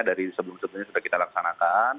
dari sebelum sebelumnya sudah kita laksanakan